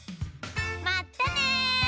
まったね！